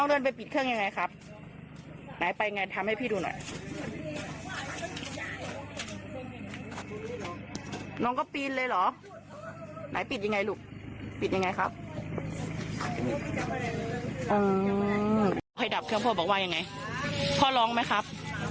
อื้อให้ดับเครื่องรถบอกว่ายังไงพ่อร้องไหมครับ